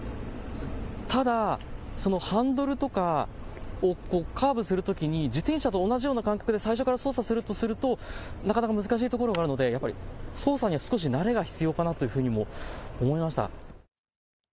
ただ、ハンドルとかカーブするときに自転車と同じような感覚で最初から操作するとすると、なかなか難しいところがある、操作に少し慣れが必要かなと思います。